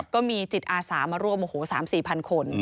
ก็มีจิตอาสามาร่วม๓๔พันคน